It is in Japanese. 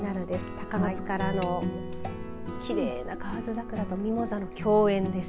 高松からのきれいな河津桜とミモザの競演です。